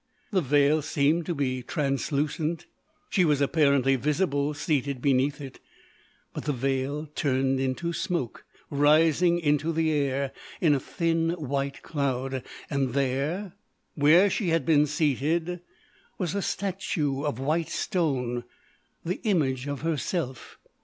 The veil seemed to be translucent; she was apparently visible seated beneath it. But the veil turned into smoke, rising into the air in a thin white cloud; and there, where she had been seated, was a statue of white stone the image of herself!